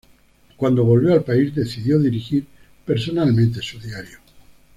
Cuando volvió al país decidió dirigir personalmente su diario.